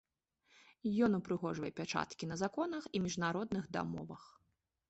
Ён упрыгожвае пячаткі на законах і міжнародных дамовах.